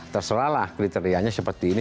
terserah lah kriterianya seperti ini